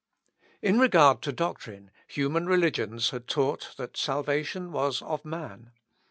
In regard to doctrine, human religions had taught that salvation was of man.